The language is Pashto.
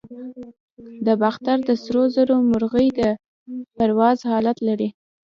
د باختر د سرو زرو مرغۍ د پرواز حالت لري